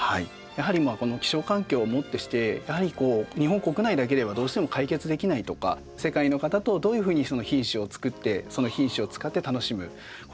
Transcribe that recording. やはりこの気象環境をもってして日本国内だけではどうしても解決できないとか世界の方とどういうふうにその品種をつくってその品種を使って楽しむことができるか。